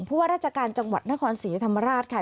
ว่าราชการจังหวัดนครศรีธรรมราชค่ะ